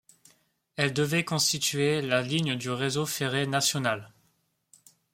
Elle devait constituer la ligne du réseau ferré national.